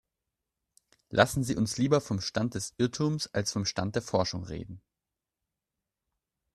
Lassen Sie uns lieber vom Stand des Irrtums als vom Stand der Forschung reden.